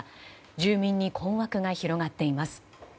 住民に困惑が広がっています。